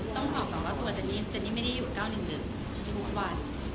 ต้องบอกก่อนว่าตัวเจนนี่ไม่ได้อยู่ก้าวหนึ่งหมดทุกวัน